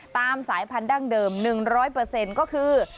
ตามสายพันธั้งเดิม๑๐๐ก็คือ